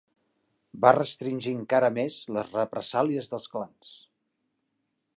Va restringir encara més les represàlies dels clans.